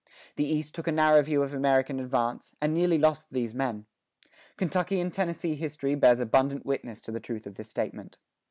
The East took a narrow view of American advance, and nearly lost these men. Kentucky and Tennessee history bears abundant witness to the truth of this statement.